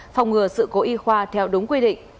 phòng ngừa sự cố y khoa theo đúng quy định